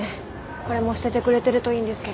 これも捨ててくれてるといいんですけど。